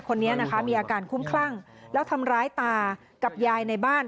คนนี้นะคะมีอาการคุ้มคลั่งแล้วทำร้ายตากับยายในบ้าน